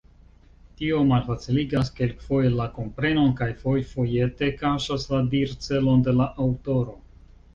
Tio malfaciligas kelkfoje la komprenon, kaj fojfojete kaŝas la dircelon de la aŭtoro.